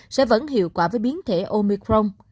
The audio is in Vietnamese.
sẽ vẫn hiệu quả với biến thể omicron